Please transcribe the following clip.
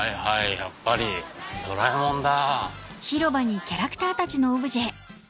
やっぱりドラえもんだ。